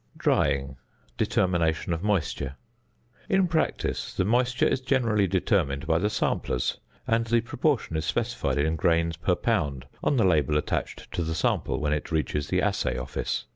~Drying: Determination of Moisture.~ In practice, the moisture is generally determined by the samplers, and the proportion is specified in grains per pound on the label attached to the sample when it reaches the assay office.